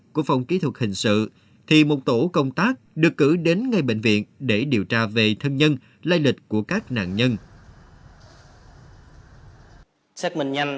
công tác được cử đến ngay bệnh viện để điều tra về thân nhân lai lịch của các nạn nhân